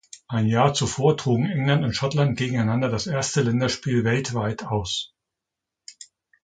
Ein Jahr zuvor trugen England und Schottland gegeneinander das erste Länderspiel weltweit aus.